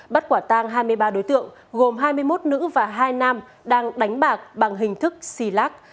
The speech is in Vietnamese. bắt quả tang hai mươi ba đối tượng gồm hai mươi một nữ và hai nam đang đánh bạc bằng hình thức xì lác